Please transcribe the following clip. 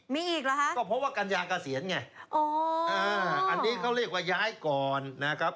มีอีกเหรอครับก็เพราะว่ากัญญากเศียรไงอันนี้เขาเรียกว่าย้ายก่อนนะครับ